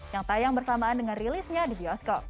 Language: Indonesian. yang tayang bersamaan dengan rilisnya di bioskop